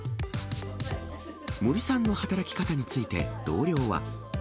森さんの働き方について同僚は。